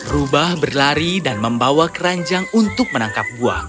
rubah berlari dan membawa keranjang untuk menangkap buah